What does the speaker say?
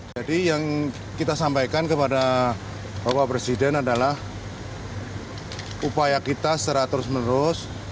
jadi yang kita sampaikan kepada bapak presiden adalah upaya kita secara terus menerus